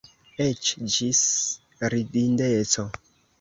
Eĉ ĝis ridindeco.